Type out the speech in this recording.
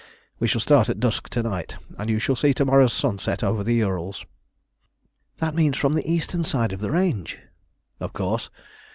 We shall start at dusk to night, and you shall see to morrow's sun set over the Ourals." "That means from the eastern side of the range!" "Of course.